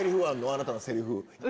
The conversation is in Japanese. あなたのセリフ。